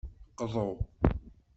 Qḍu.